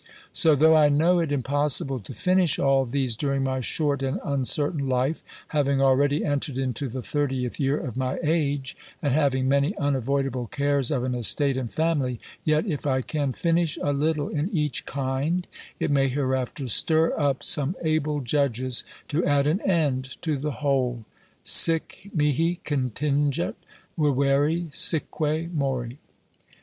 So though I know it impossible to finish all these during my short and uncertain life, having already entered into the thirtieth year of my age, and having many unavoidable cares of an estate and family, yet, if I can finish a little in each kind, it may hereafter stir up some able judges to add an end to the whole: "Sic mihi contingat vivere, sicque mori."